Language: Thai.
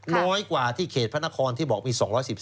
น้อยกว่าที่เขตพระนครที่บอกมี๒๑๕